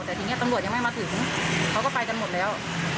แต่ทีนี้ตำรวจยังไม่มาถึงเขาก็ไปกันหมดแล้ว